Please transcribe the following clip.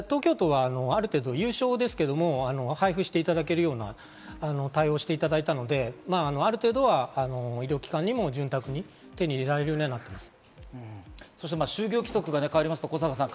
医療機関も一時、品薄だったんですが、東京都はある程度、有償ですけれども配布していただけるような対応していただいたので、ある程度は医療機関でも潤沢に手に入れられるようになっています。